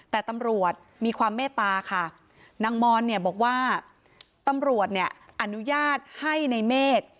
แต่ตำรวจมีความเมตตาค่ะนางมอนเนี่ยบอกว่าตำรวจเนี่ยอนุญาตให้ในเมฆ